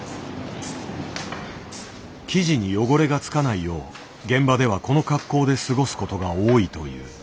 生地に汚れが付かないよう現場ではこの格好で過ごすことが多いという。